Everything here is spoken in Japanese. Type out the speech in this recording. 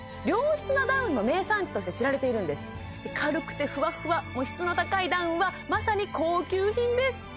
良質なダウンの名産地として知られているんです軽くてふわふわ質の高いダウンはまさに高級品です